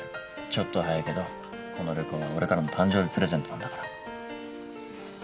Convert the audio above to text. ちょっと早いけどこの旅行は俺からの誕生日プレゼントなんだから。